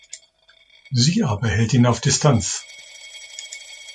Sie aber hält ihn auf Distanz.